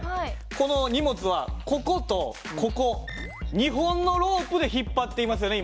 この荷物はこことここ２本のロープで引っ張っていますよね